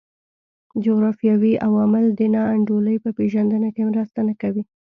جغرافیوي عوامل د نا انډولۍ په پېژندنه کې مرسته نه کوي.